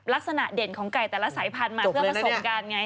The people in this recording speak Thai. ลักษณะเด่นของไก่แต่ละสายพันธุ์มาเพื่อผสมกันไง